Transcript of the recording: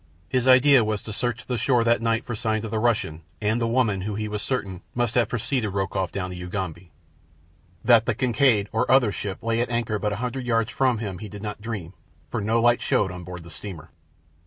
His idea was to search the shore that night for signs of the Russian and the woman who he was certain must have preceded Rokoff down the Ugambi. That the Kincaid or other ship lay at anchor but a hundred yards from him he did not dream, for no light showed on board the steamer.